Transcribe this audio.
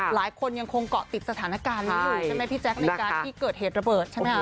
หลายคนยังคงเกาะติดสถานการณ์นี้อยู่ใช่ไหมพี่แจ๊คในการที่เกิดเหตุระเบิดใช่ไหมคะ